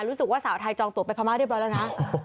รู้สึกว่าสาวไทยจองตัวไปพม่าเรียบร้อยแล้วนะ